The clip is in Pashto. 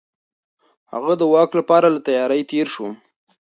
هغه د واک لپاره له تيارۍ تېر شوی و.